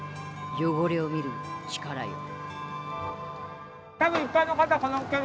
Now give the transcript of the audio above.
汚れを見る力よ。